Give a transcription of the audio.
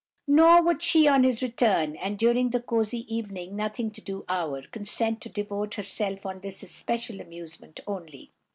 Nor would she, on his return, and during the cozy evening "nothing to do" hour, consent to devote herself to his especial amusement only.